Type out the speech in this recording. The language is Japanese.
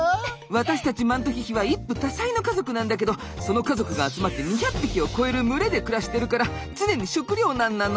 私たちマントヒヒは一夫多妻の家族なんだけどその家族が集まって２００匹を超える群れで暮らしてるから常に食糧難なの。